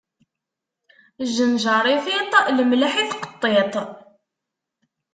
Jjenjaṛ i tiṭ, lemleḥ i tqeṭṭiṭ.